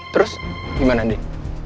terus gimana ndin